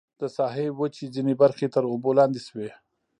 د ساحې وچې ځینې برخې تر اوبو لاندې شوې.